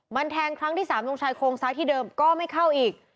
มันแทงครั้งที่๓ตรงชายโครงซ้ายที่เดิมก็ไม่เข้าอีก